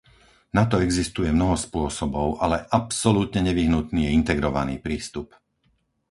Na to existuje mnoho spôsobov, ale absolútne nevyhnutný je integrovaný prístup.